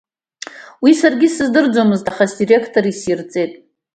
Уи саргьы исыздырӡомызт, аха сдиректор исирҵеит.